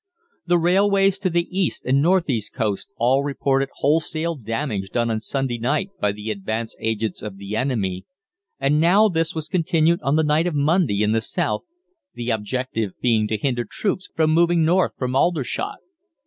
The railways to the east and north east coasts all reported wholesale damage done on Sunday night by the advance agents of the enemy, and now this was continued on the night of Monday in the south, the objective being to hinder troops from moving north from Aldershot.